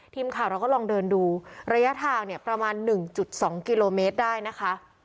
ทีมข่าวเราก็ลองเดินดูระยะทางเนี่ยประมาณ๑๒กิโลเมตรได้นะคะ